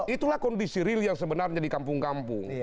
itulah kondisi real yang sebenarnya di kampung kampung